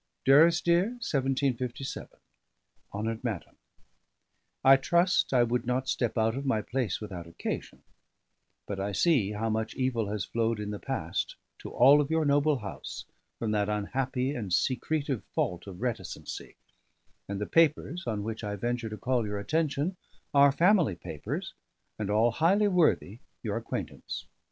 Durrisdeer, 1757. HONOURED MADAM, I trust I would not step out of my place without occasion; but I see how much evil has flowed in the past to all of your noble house from that unhappy and secretive fault of reticency, and the papers on which I venture to call your attention are family papers, and all highly worthy your acquaintance.